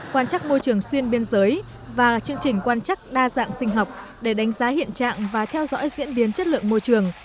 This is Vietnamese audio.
quan trắc môi trường xuyên biên giới và chương trình quan chắc đa dạng sinh học để đánh giá hiện trạng và theo dõi diễn biến chất lượng môi trường